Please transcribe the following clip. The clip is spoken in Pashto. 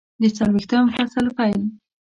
د څلویښتم فصل پیل